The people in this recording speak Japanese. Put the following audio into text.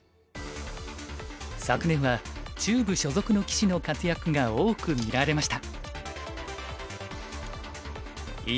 昨年は中部所属の棋士の活躍が多く見られました。